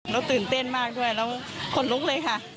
เราตื่นเต้นมากด้วยเราขนลุกเลยค่ะ